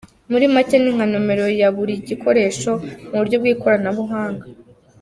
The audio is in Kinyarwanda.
Muri macye ni nka nomero ya buri gikoresho mu buryo bw’ikoranabuhanga.